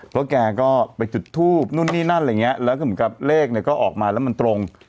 เพราะแกก็ไปจุดทูบนู่นนี่นั่นอะไรอย่างเงี้ยแล้วก็เหมือนกับเลขเนี่ยก็ออกมาแล้วมันตรง